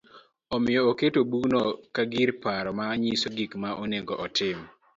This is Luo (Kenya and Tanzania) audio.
Omiyo oketo bugno ka gir paro ma nyise gik ma onego otim